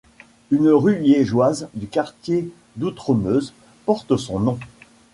Une rue liégeoise du quartier d'Outremeuse porte son nom.